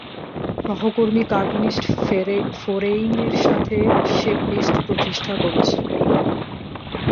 সহকর্মী cartoonist foreign এর সাথে, সে পিস্ট প্রতিষ্ঠা করেছে...